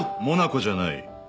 モナコじゃない。